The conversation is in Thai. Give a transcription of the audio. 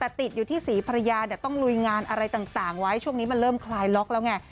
แต่ติดอยู่ที่ศรีภรรยาเนี่ยต้องลุยงานอะไรต่างไว้ช่วงนี้มันเริ่มคลายล็อกแล้วไง